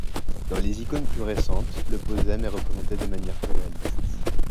Dans les icônes plus récentes le pozem est représenté de manière plus réaliste.